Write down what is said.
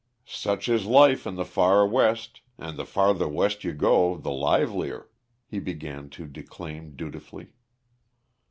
"Such is life in the far West and the farther West you go, the livelier " he began to declaim dutifully.